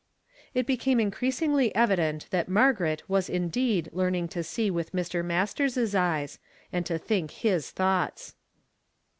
It became increasingly evident that Margaret was indeed learning to see with Mr. Masters's eyes, and to think his thoughts.